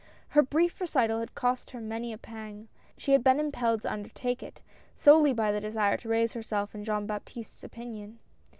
Her brief recital had cost her many a pang, she had been impelled to undertake it, solely by the desire to raise herself in Jean Baptiste's opinion.